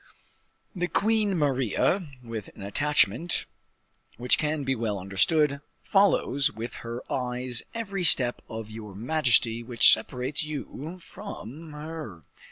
"The Queen Maria, with an attachment which can be well understood, follows with her eyes every step of your majesty which separates you from her.